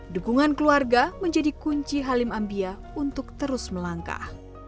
dukungan keluarga menjadi kunci halim ambia untuk terus melangkah